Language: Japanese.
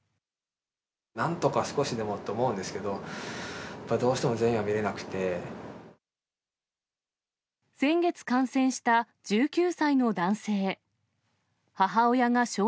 なんとか少しでもって思うんですけど、先月感染した１９歳の男性。